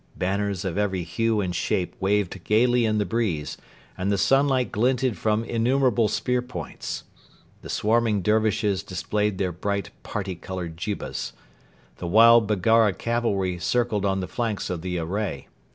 Banners of every hue and shape waved gaily in the breeze, and the sunlight glinted from innumerable spear points. The swarming Dervishes displayed their bright parti coloured jibbas. The wild Baggara cavalry circled on the flanks of the array.